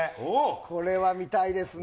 これは見たいですね。